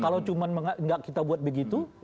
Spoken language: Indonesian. kalau cuma nggak kita buat begitu